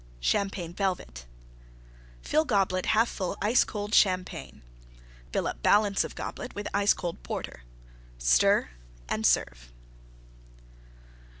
CHAMPAGNE VELVET Fill Goblet 1/2 full ice cold Champagne. Fill up balance of Goblet with ice cold Porter. Stir and serve.